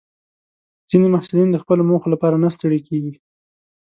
ځینې محصلین د خپلو موخو لپاره نه ستړي کېږي.